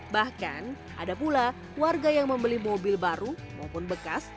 bahkan ada pula warga yang membeli mobil baru maupun bekas